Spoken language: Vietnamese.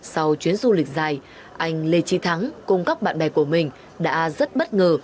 sau chuyến du lịch dài anh lê trí thắng cùng các bạn bè của mình đã rất bất ngờ